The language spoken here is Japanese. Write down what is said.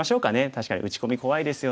確かに打ち込み怖いですよね。